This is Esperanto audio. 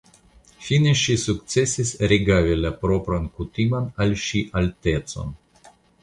Fine ŝi sukcesis rehavi la propran kutiman al ŝi altecon.